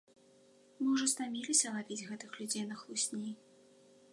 Мы ўжо стаміліся лавіць гэтых людзей на хлусні!